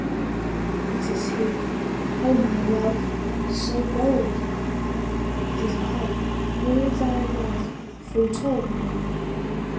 It is he—O my love! So bold! It is I—all thy love Foretold!